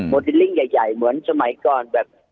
โมเดลลิ่มใหญ่สไตว์เรือนแห่งสมัยก่อน